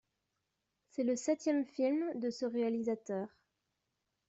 C’est le septième film de ce réalisateur.